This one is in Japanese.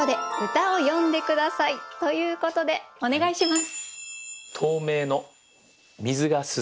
ということでお願いします。